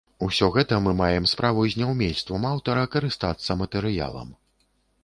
Усё гэта мы маем справу з няўмельствам аўтара карыстацца матэрыялам.